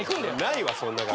ないわそんな学校。